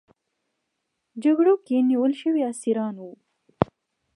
جګړو کې نیول شوي اسیران وو.